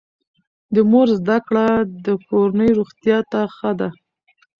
د مور زده کړه د کورنۍ روغتیا ته ښه ده.